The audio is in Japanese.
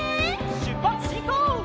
しゅっぱつしんこう！